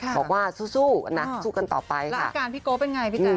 บอกว่าสู้นะสู้กันต่อไปแล้วอาการพี่โกเป็นไงพี่แจ๊